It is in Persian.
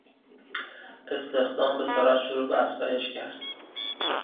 استخدام به سرعت شروع به افزایش کرد.